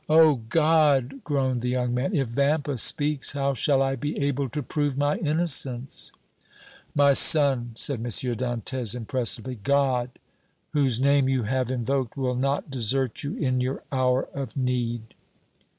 "Oh! God!" groaned the young man, "if Vampa speaks how shall I be able to prove my innocence!" "My son," said M. Dantès, impressively, "God, whose name you have invoked, will not desert you in your hour of need!"